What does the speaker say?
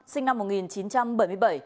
sinh năm một nghìn chín trăm bảy mươi bảy